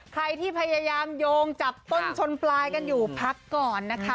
ใครที่พยายามโยงจับต้นชนปลายกันอยู่พักก่อนนะคะ